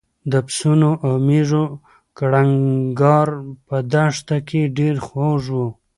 د پسونو او مېږو کړنګار په دښته کې ډېر خوږ و.